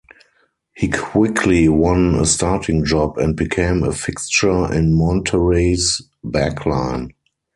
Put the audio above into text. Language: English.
He quickly won a starting job and became a fixture in Monterrey's backline.